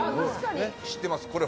知ってます、これ。